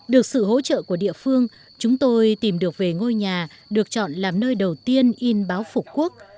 được sự hỗ trợ của địa phương chúng tôi tìm được về ngôi nhà được chọn làm nơi đầu tiên in báo phục quốc